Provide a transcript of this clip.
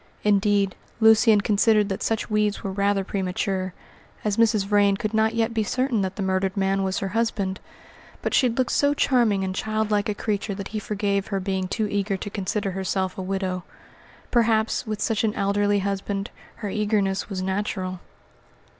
Indeed, Lucian considered that such weeds were rather premature, as Mrs. Vrain could not yet be certain that the murdered man was her husband; but she looked so charming and childlike a creature that he forgave her being too eager to consider herself a widow. Perhaps with such an elderly husband her eagerness was natural.